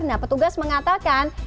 nah petugas mengatakan